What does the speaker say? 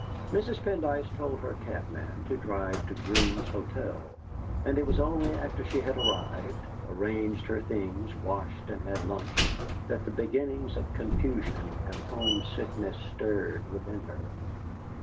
Mrs. Pendyce told her cabman to drive to Green's Hotel, and it was only after she had arrived, arranged her things, washed, and had lunch, that the beginnings of confusion and home sickness stirred within her.